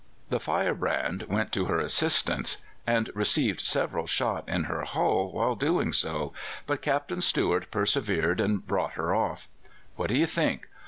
The Firebrand went to her assistance, and received several shot in her hull while doing so, but Captain Stuart persevered and brought her off. What do you think?